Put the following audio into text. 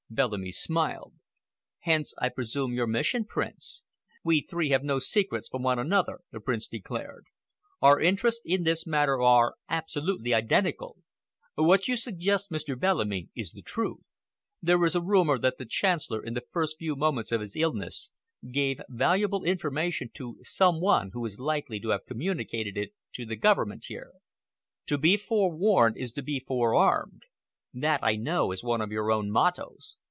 Bellamy smiled. "Hence, I presume, your mission, Prince." "We three have no secrets from one another," the Prince declared. "Our interests in this matter are absolutely identical. What you suggest, Mr. Bellamy, is the truth. There is a rumor that the Chancellor, in the first few moments of his illness, gave valuable information to some one who is likely to have communicated it to the Government here. To be forewarned is to be forearmed. That, I know, is one of your own mottoes.